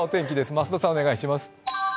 増田さん、お願いします。